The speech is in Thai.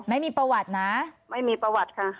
ไม่มีประวัตินะไม่มีประวัติค่ะ